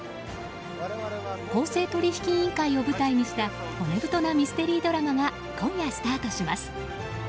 公正取引員会を舞台にした骨太なミステリードラマが今夜スタートします。